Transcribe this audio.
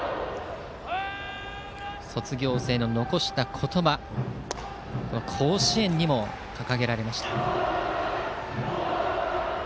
卒業生の残した言葉が甲子園にも掲げられました。